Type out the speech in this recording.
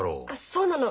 そうなの。